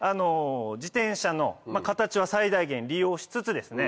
自転車の形は最大限利用しつつですね